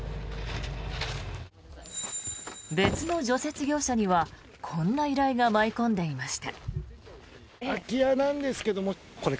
別の除雪業者には、こんな依頼が舞い込んでいました。